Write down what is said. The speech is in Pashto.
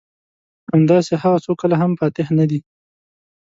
همداسې هغه څوک کله هم فاتح نه دي.